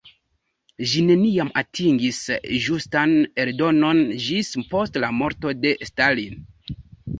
Ĝi neniam atingis ĝustan eldonon ĝis post la morto de Stalin.